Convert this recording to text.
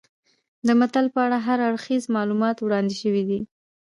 د متل په اړه هر اړخیز معلومات وړاندې شوي دي